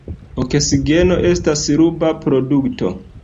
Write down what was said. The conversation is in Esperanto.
Oksigeno estas ruba produkto.